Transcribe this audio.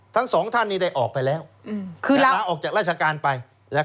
ทั้งสองท่านนี้ได้ออกไปแล้วลาออกจากราชการไป